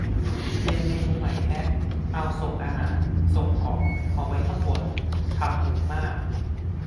เรียงเมนูใหม่แฮะ เอาส่งอาหารส่งของมาไว้ข้างบน ทำถูกมาก